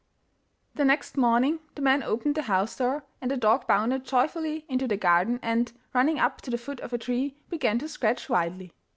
The next morning the man opened the house door, and the dog bounded joyfully into the garden, and, running up to the foot of a tree, began to scratch wildly.